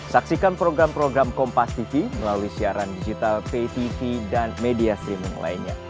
saksikan program program kompastv melalui siaran digital ptv dan media streaming lainnya